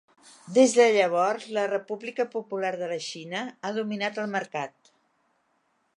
Des de llavors, la República Popular de la Xina ha dominat el mercat.